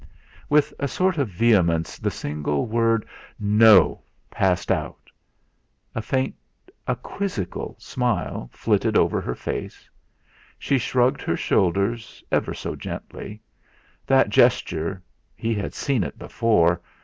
With a sort of vehemence the single word "No" passed out. A faint, a quizzical smile flitted over her face; she shrugged her shoulders ever so gently. That gesture he had seen it before!